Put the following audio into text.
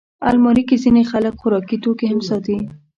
الماري کې ځینې خلک خوراکي توکي هم ساتي